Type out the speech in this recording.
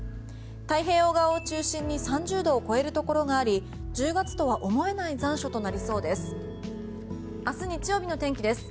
太平洋側を中心に３０度を超えるところがあり１０月とは思えない残暑となりそうです。